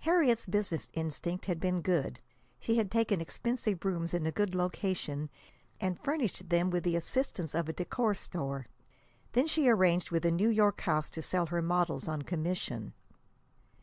Harriet's business instinct had been good. She had taken expensive rooms in a good location, and furnished them with the assistance of a decor store. Then she arranged with a New York house to sell her models on commission.